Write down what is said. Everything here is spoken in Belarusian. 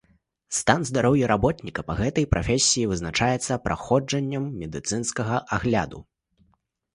Стан здароўя работніка па гэтай прафесіі вызначаецца праходжаннем медыцынскага агляду.